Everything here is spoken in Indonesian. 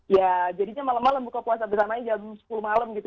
ya jadinya malam malam buka puasa bersamanya jam sepuluh malam gitu